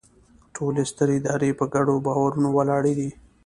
ټولې سترې ادارې په ګډو باورونو ولاړې دي.